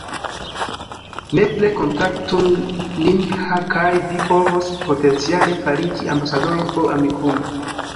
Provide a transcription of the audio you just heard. Nepre kontaktu nin kaj vi povas potenciale fariĝi ambasadoro por Amikumu